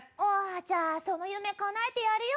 じゃあその夢かなえてやるよ。